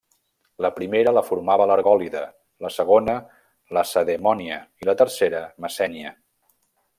La primera la formava l'Argòlida, la segona Lacedemònia i la tercera Messènia.